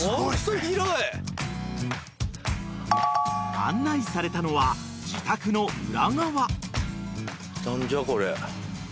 ［案内されたのは自宅の裏側］